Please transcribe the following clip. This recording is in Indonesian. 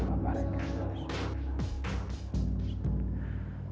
assalamualaikum warahmatullahi wabarakatuh